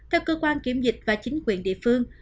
theo cơ quan kiểm dịch và chính quyền địa phương